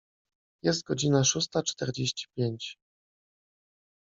Jest godzina szósta czterdzieści pięć.